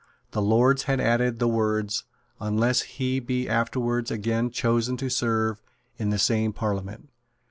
The Lords had added the words, "unless he be afterwards again chosen to serve in the same Parliament."